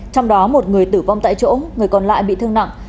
trong đó một người tử vong tại chỗ người còn lại bị thương nặng